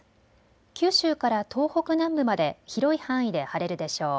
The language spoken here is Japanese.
九州から東北南部まで広い範囲で晴れるでしょう。